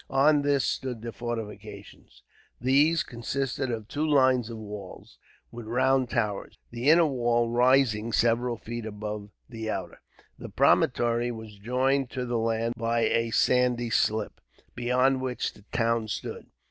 On this stood the fortifications. These consisted of two lines of walls, with round towers, the inner wall rising several feet above the outer. The promontory was joined to the land by a sandy slip, beyond which the town stood.